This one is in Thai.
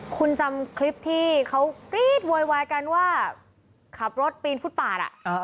คุณจำคลิปที่เขากรี๊ดโวยวายกันว่าขับรถปีนฟุตปาด